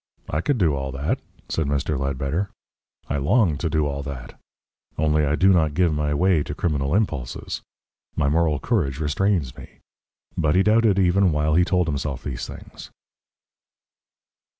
"I could do all that," said Mr. Ledbetter. "I long to do all that. Only I do not give way to my criminal impulses. My moral courage restrains me." But he doubted even while he told himself these things.